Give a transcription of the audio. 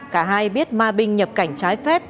cả hai biết ma binh nhập cảnh trái phép